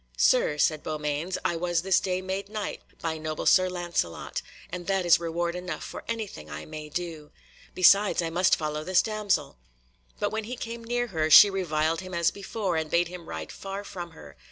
"Sir," said Beaumains, "I was this day made Knight by noble Sir Lancelot, and that is reward enough for anything I may do. Besides, I must follow this damsel." But when he came near her she reviled him as before, and bade him ride far from her.